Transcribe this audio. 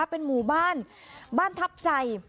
เป็นหมู่บ้านบ้านทัพใส่